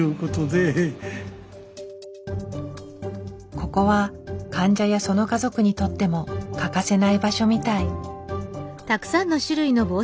ここは患者やその家族にとっても欠かせない場所みたい。